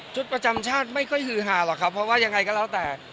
ประจำชาติไม่ค่อยฮือหาหรอกครับเพราะว่ายังไงก็แล้วแต่